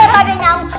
tolong ya pak ustaz